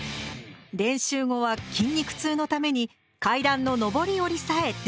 練習後は筋肉痛のために階段の上り下りさえできなくなるとか。